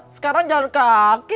sekarang jalanin kaki